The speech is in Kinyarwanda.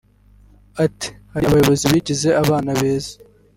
Ati” Hari abayobozi bigize abana beza